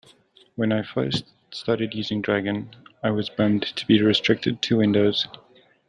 When I first started using Dragon, I was bummed to be restricted to Windows.